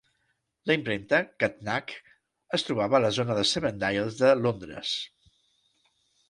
La impremta, Catnach, es trobava a la zona de Seven Dials de Londres.